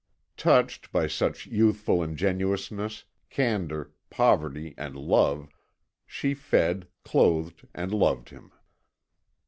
Touched by such youthful ingenuousness, candour, poverty, and love, she fed, clothed, and loved him.